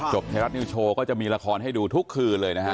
ไทยรัฐนิวโชว์ก็จะมีละครให้ดูทุกคืนเลยนะฮะ